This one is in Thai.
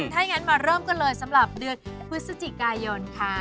ถ้าอย่างนั้นมาเริ่มกันเลยสำหรับเดือนพฤศจิกายนค่ะ